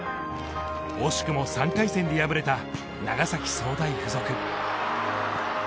惜しくも３回戦で敗れた長崎総大附属。